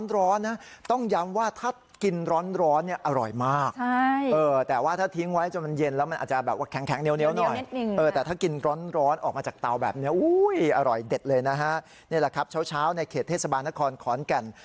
อร่อยเด็ดเลยนะฮะนี่แหละครับเช้าในเขตเทศบาลนครขอนแก่น